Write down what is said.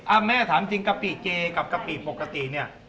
แม่ถามจริงกะปิเจกับกะปิปกติเนี่ย